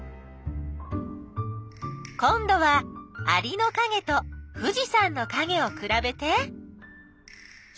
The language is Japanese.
今どはアリのかげと富士山のかげをくらべて？